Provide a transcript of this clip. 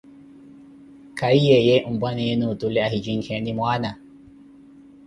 Kahiye, ye mpwaneenu Nluku otule ahi jinkeeni mwaana?